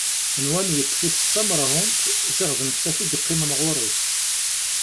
Nwan yeṭṭef-itt d tamerhunt, ziɣ d nettat i yeqqimen ɣur-s.